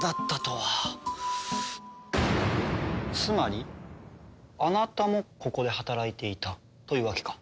つまりあなたもここで働いていたというわけか。